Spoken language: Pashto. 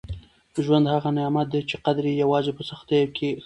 ژوند هغه نعمت دی چي قدر یې یوازې په سختیو کي ښه معلومېږي.